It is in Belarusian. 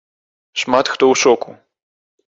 Шмат хто ў шоку.